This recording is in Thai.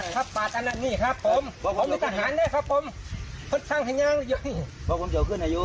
กับพระเอมิ